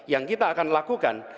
yang kita akan lakukan